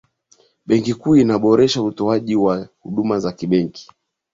benki kuu inaboresha utoaji wa huduma za kibenki